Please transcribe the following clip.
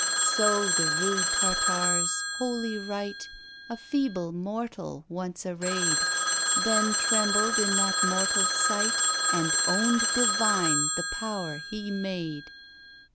So the rude Tartar's holy rite A feeble MORTAL once array'd; Then trembled in that mortal's sight, And own'd DIVINE the power he MADE.